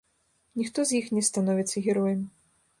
Ніхто з іх не становіцца героем.